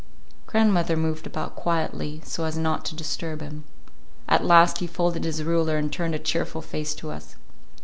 Grandmother moved about quietly, so as not to disturb him. At last he folded his ruler and turned a cheerful face to us.